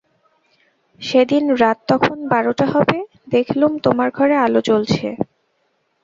সেদিন রাত তখন বারোটা হবে– দেখলুম তোমার ঘরে আলো জ্বলছে।